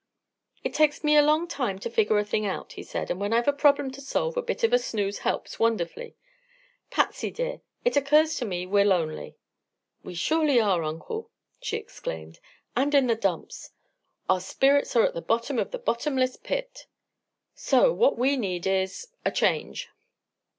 "It takes me a long time to figure a thing out," he said; "and when I've a problem to solve a bit of a snooze helps wonderfully. Patsy, dear, it occurs to me we're lonely." "We surely are, Uncle!" she exclaimed. "And in the dumps." "Our spirits are at the bottom of the bottomless pit." "So what we need is a change."